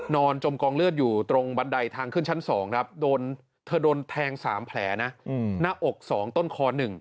จมกองเลือดอยู่ตรงบันไดทางขึ้นชั้น๒ครับเธอโดนแทง๓แผลนะหน้าอก๒ต้นคอ๑